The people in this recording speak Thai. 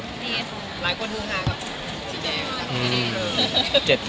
ดีครับ